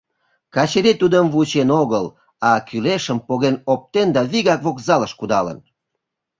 Качырий тудым вучен огыл, мо кӱлешым поген оптен да вигак вокзалыш кудалын.